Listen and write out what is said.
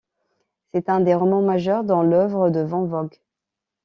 C'est un des romans majeurs dans l'œuvre de van Vogt.